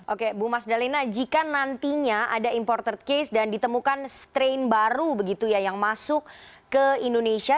oke bu mas dalina jika nantinya ada imported case dan ditemukan strain baru begitu ya yang masuk ke indonesia